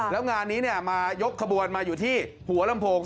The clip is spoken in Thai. แล้วงานนี้มายกขบวนมาอยู่ที่หัวลำโพง